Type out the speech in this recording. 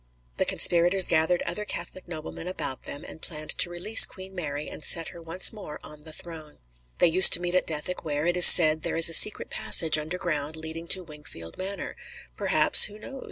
The conspirators gathered other Catholic noblemen about them, and planned to release Queen Mary and set her once more on the throne. They used to meet at Dethick where, it is said, there is a secret passage underground leading to Wingfield Manor. Perhaps who knows?